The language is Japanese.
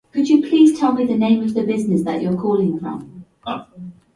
価格も、内容も、重過ぎないものを選んだ